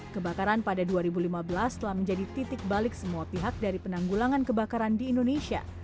kebakaran pada dua ribu lima belas telah menjadi titik balik semua pihak dari penanggulangan kebakaran di indonesia